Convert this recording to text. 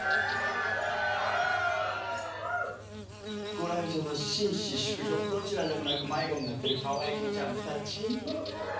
ご来場の紳士淑女どちらでもなく迷子になってるかわい子ちゃんたち。